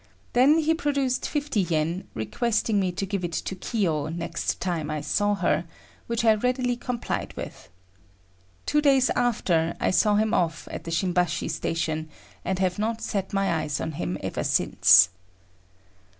Then he produced 50 yen, requesting me to give it to Kiyo next time I saw her, which I readily complied with. Two days after, I saw him off at the Shimbashi Station, and have not set my eyes on him ever since.